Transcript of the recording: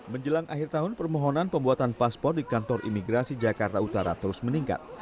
menjelang akhir tahun permohonan pembuatan paspor di kantor imigrasi jakarta utara terus meningkat